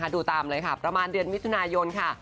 ดูตามเลยค่ะประมาณเดือนมิถุนายนค่ะ